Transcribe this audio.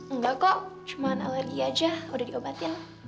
enggak kok cuma alergi aja udah diobatin